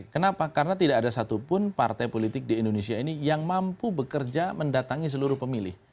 kenapa karena tidak ada satupun partai politik di indonesia ini yang mampu bekerja mendatangi seluruh pemilih